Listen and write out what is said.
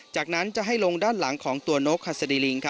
จากนั้นจะให้ลงด้านหลังของตัวนกฮัศดีลิง